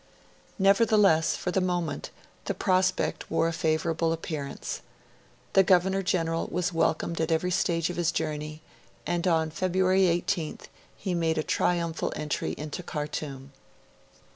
Nevertheless, for the moment, the prospect wore a favourable appearance. The Governor General was welcomed at every stage of his journey, and on February 18th he made a triumphal entry into Khartoum.